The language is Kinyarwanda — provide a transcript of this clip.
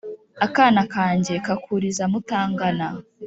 Akana kanjye kakuriza mutangana